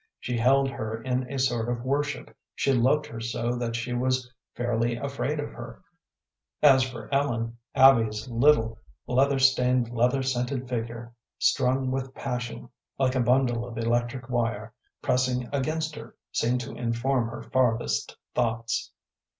She held her in a sort of worship, she loved her so that she was fairly afraid of her. As for Ellen, Abby's little, leather stained, leather scented figure, strung with passion like a bundle of electric wire, pressing against her, seemed to inform her farthest thoughts.